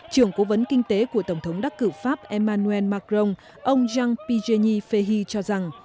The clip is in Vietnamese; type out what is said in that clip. trưởng cố vấn kinh tế của tổng thống đắc cử pháp emmanuel macron ông jean pierre fahy cho rằng